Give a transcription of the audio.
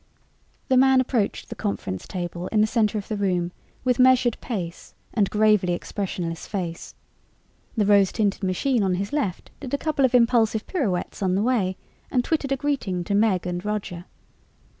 The man approached the conference table in the center of the room with measured pace and gravely expressionless face. The rose tinted machine on his left did a couple of impulsive pirouettes on the way and twittered a greeting to Meg and Roger.